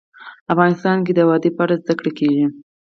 افغانستان کې د وادي په اړه زده کړه کېږي.